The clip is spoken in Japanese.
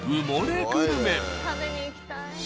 食べに行きたい。